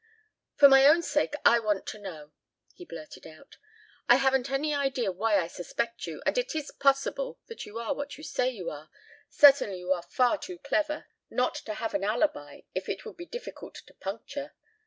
"For my own sake I want to know," he blurted out. "I haven't an idea why I suspect you, and it is possible that you are what you say you are. Certainly you are far too clever not to have an alibi it would be difficult to puncture.